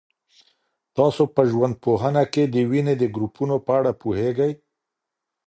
تاسو په ژوندپوهنه کي د وینې د ګروپونو په اړه پوهېږئ؟